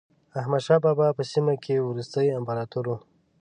احمد شاه بابا په سیمه کې وروستی امپراتور و.